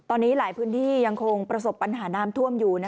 ตอนนี้หลายพื้นที่ยังคงประสบปัญหาน้ำท่วมอยู่